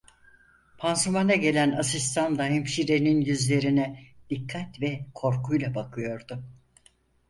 Pansumana gelen asistanla hemşirenin yüzlerine dikkat ve korkuyla bakıyordu.